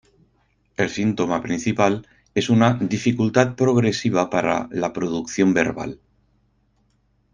El síntoma principal es una dificultad progresiva para la producción verbal.